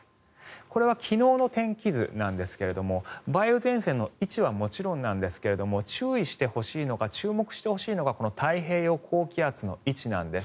これは昨日の天気図なんですが梅雨前線の位置はもちろんなんですが注意してほしいのが注目してほしいのが太平洋高気圧の位置なんです。